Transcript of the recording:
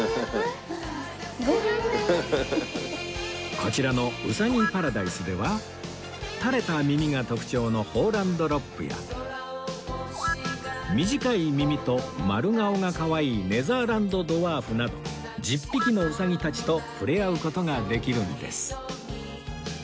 こちらのうさぎパラダイスでは垂れた耳が特徴のホーランドロップや短い耳と丸顔がかわいいネザーランドドワーフなど１０匹のうさぎたちと触れ合う事ができるんです